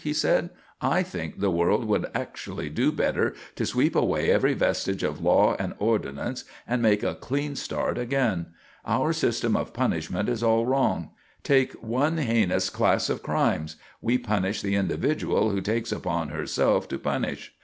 he said. "I think the world would actually do better to sweep away every vestige of law and ordinance and make a clean start again. Our system of punishment is all wrong. Take one heinous class of crimes; we punish the individual who takes upon herself to punish.